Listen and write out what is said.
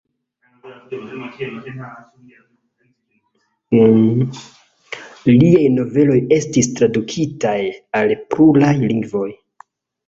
Liaj noveloj estis tradukitaj al pluraj lingvoj.